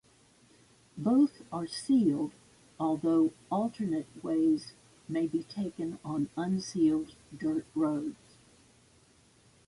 Both are sealed, although alternate ways may be taken on unsealed dirt roads.